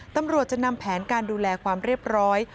ตำรวจจะนำแผนการดูแลความเรียบร้อย